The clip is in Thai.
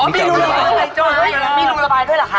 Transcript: มีรูระบายด้วยเหรอคะ